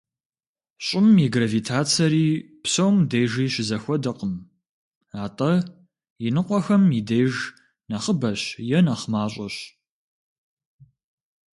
Щӏым и гравитацэри псом дежи щызэхуэдэкъым, атӏэ иныкъуэхэм и деж нэхъыбэщ е нэхъ мащӏэщ.